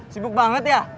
sibuk banget ya